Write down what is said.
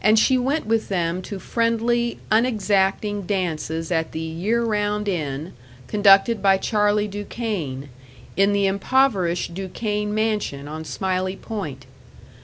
And she went with them to friendly, unexacting dances at the Year Round Inn, conducted by Charley Duquesne, in the impoverished Duquesne mansion on Smiley Point.